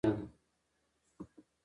له نیکه مرغه داسې نه ده